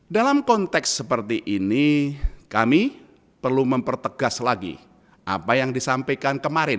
dalam konteks seperti ini kami perlu mempertegas lagi apa yang disampaikan kemarin